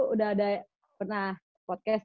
udah ada pernah podcast